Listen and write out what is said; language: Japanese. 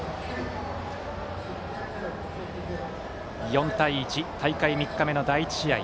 ４対１、大会３日目の第１試合。